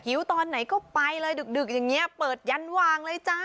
ตอนไหนก็ไปเลยดึกอย่างนี้เปิดยันวางเลยจ้า